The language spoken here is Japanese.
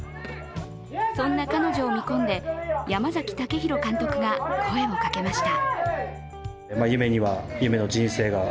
そんな彼女を見込んで、山崎雄大監督が声をかけました。